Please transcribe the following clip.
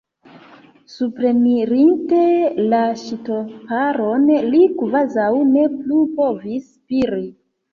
Suprenirinte la ŝtuparon, li kvazaŭ ne plu povis spiri.